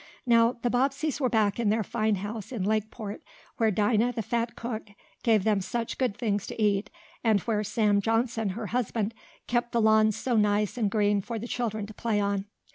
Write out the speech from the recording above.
Now the Bobbseys were back in their fine house in Lakeport, where Dinah, the fat cook, gave them such good things to eat, and where Sam Johnson, her husband, kept the lawns so nice and green for the children to play on.